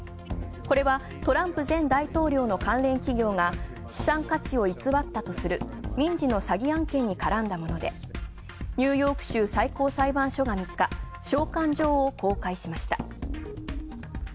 これは、トランプ前大統領の関連企業が資産価値を偽ったとする民事の詐欺案件に絡んだもので、ニューヨーク州最高裁判所が３日、召喚状を公開しました。